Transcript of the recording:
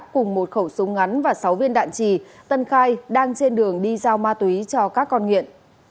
cùng một khẩu súng ngắn và sáu viên đạn trì tân khai đang trên đường đi giao ma túy cho các con nghiện